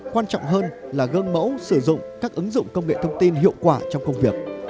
quan trọng hơn là gương mẫu sử dụng các ứng dụng công nghệ thông tin hiệu quả trong công việc